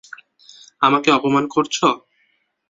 আমাকে অপমান করছো।